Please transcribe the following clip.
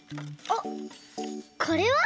おっこれは？